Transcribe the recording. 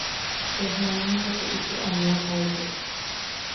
Pues nanancha te ito ania- taitek.